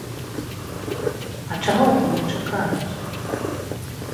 А чаго ад мяне чакаюць?